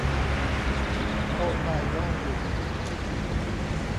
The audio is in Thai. โต๊ะในว่างอยู่